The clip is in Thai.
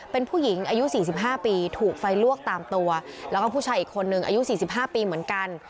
เป็นผู้หญิงอายุสี่สิบห้าปีถูกไฟลวกตามตัวแล้วก็ผู้ชายอีกคนนึงอายุสี่สิบห้าปีเหมือนกัน